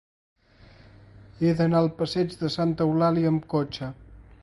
He d'anar al passeig de Santa Eulàlia amb cotxe.